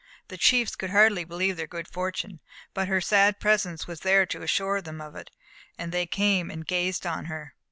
The chiefs could hardly believe their good fortune, but her sad presence was there to assure them of it, and they came and gazed on her.